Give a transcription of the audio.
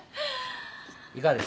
いかがです？